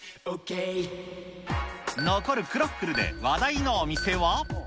残るクロッフルで話題のお店は。